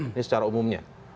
ini secara umumnya